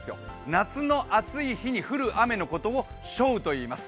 夏の暑い日に降る雨のことを暑雨といいます。